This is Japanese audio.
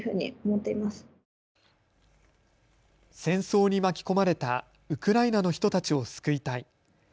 戦争に巻き込まれたウクライナの人たちを救いたい。